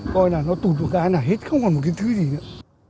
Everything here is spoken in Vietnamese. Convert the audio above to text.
coi là nó tụt một cái là hết không còn một cái thứ gì nữa